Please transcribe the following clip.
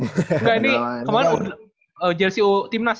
enggak ini kemarin jersey timnas ya